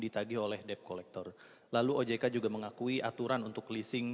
terima kasih